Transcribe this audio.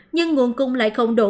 nhưng nguồn cung lại không đủ